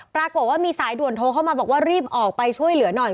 ปรากฏว่ามีสายด่วนโทรเข้ามาบอกว่ารีบออกไปช่วยเหลือหน่อย